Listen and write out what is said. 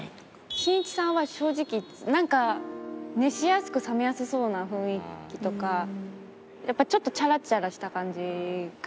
しんいちさんは正直なんか熱しやすく冷めやすそうな雰囲気とかやっぱりちょっとチャラチャラした感じが。